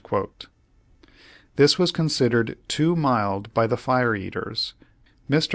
This was considered too mild by the fire eaters. Mr.